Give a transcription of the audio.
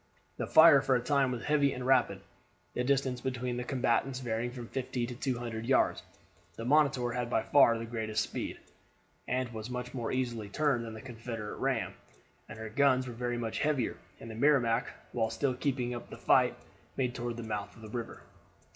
The fire for a time was heavy and rapid, the distance between the combatants varying from fifty to two hundred yards. The Monitor had by far the greatest speed, and was much more easily turned than the Confederate ram, and her guns were very much heavier, and the Merrimac while still keeping up the fight made toward the mouth of the river.